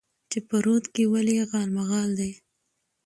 چې په رود کې ولې غالمغال دى؟